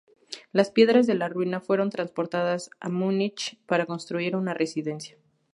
Las piedras de la ruina fueron transportadas a Múnich para construir una residencia.